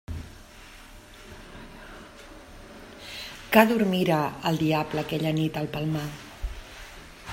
Que dormira el diable aquella nit al Palmar!